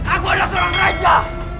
aku adalah seorang raja